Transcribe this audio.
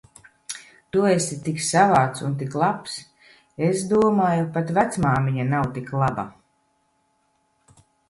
Tu esi tik savāds un tik labs. Es domāju, pat vecmāmiņa nav tik laba.